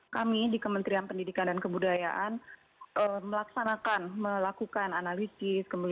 kami di kementerian pendidikan dan kebudayaan melaksanakan melakukan analisis